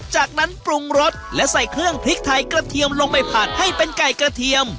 จากนั้นปรุงรสและใส่เครื่องพริกไทยกระเทียมลงไปผัดให้เป็นไก่กระเทียม